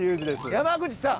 山口さん。